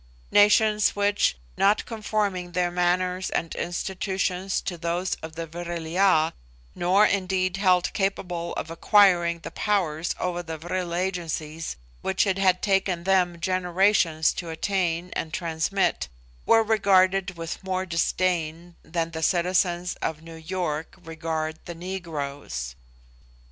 Nations which, not conforming their manners and institutions to those of the Vril ya, nor indeed held capable of acquiring the powers over the vril agencies which it had taken them generations to attain and transmit, were regarded with more disdain than the citizens of New York regard the negroes.